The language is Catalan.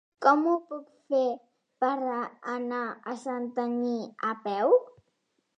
Com ho puc fer per anar a Santanyí a peu?